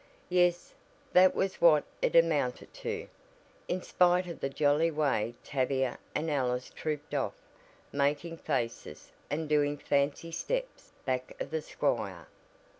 Yes, that was what it amounted to, in spite of the jolly way Tavia and Alice trooped off, making "faces" and doing fancy "steps" back of the squire.